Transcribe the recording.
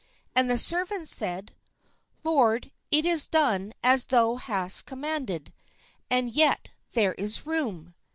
And the servant said: " Lord, it is done as thou hast commanded, and yet there is room."